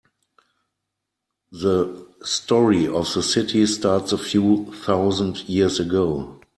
The story of the city starts a few thousand years ago.